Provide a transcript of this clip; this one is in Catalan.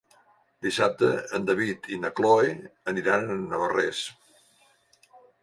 Dissabte en David i na Cloè aniran a Navarrés.